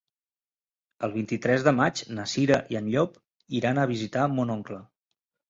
El vint-i-tres de maig na Cira i en Llop iran a visitar mon oncle.